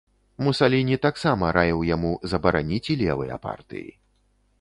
Мусаліні таксама раіў яму забараніць і левыя партыі.